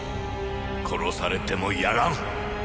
殺されてもやらん